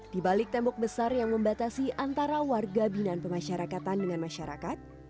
di balik tembok besar yang membatasi antara warga binaan pemasyarakatan dengan masyarakat